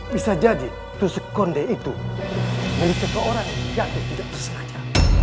bisa jadi tusuk kondek itu milik seseorang yang tidak tersenaja